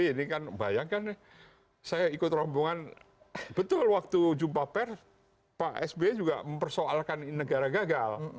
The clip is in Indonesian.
ini kan bayangkan saya ikut rombongan betul waktu jumpa pers pak sby juga mempersoalkan negara gagal